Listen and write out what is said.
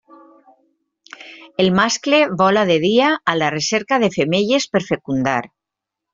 El mascle vola de dia a la recerca de femelles per fecundar.